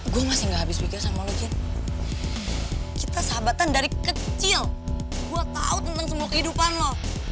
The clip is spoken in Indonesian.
gue masih gak habis pikir sama lucit kita sahabatan dari kecil gue tahu tentang semua kehidupan lo